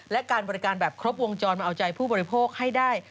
และการบริการแบบครบวงจรมาเอาใจผู้บริโภคให้ได้